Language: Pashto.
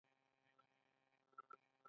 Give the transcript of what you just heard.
هغه د کمزورو حیواناتو ساتنه کوله.